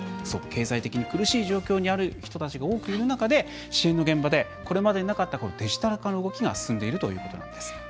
経済的に苦しい状況にある人たちが多くいる中で支援の現場でこれまでになかったデジタル化の動きが進んでいるということなんです。